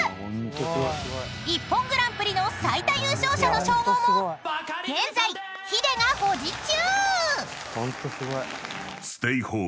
［『ＩＰＰＯＮグランプリ』の最多優勝者の称号も現在ヒデが保持中！］